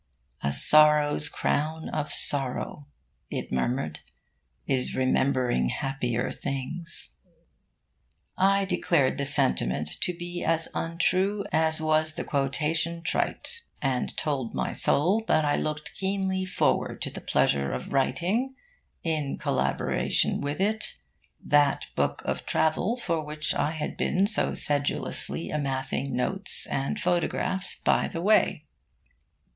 'A sorrow's crown of sorrow,' it murmured, 'is remembering happier things.' I declared the sentiment to be as untrue as was the quotation trite, and told my soul that I looked keenly forward to the pleasure of writing, in collaboration with it, that book of travel for which I had been so sedulously amassing notes and photographs by the way.